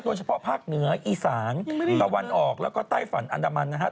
โดยเฉพาะภาคเหนืออีสานตะวันออกแล้วก็ไต้ฝันอันดามันนะฮะ